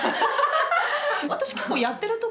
私結構やってる時